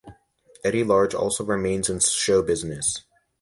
Eddie Large also remains in showbusiness.